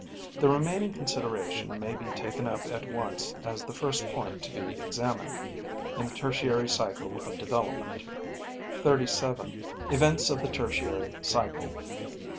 The remaining consideration may be taken up at once as the first point to be examined in the Tertiary cycle of development. 37. Events of the Tertiary cycle.